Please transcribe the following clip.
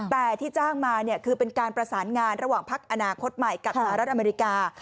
แต่ที่จ้างมาคือเป็นการประสานงานระหว่างพักอนาคตใหม่กับสหรัฐอเมริกา